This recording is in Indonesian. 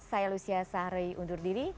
saya lucia sahri undur diri